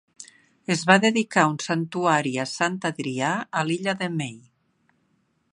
Es va dedicar un santuari a Sant Adrià a l'illa de May.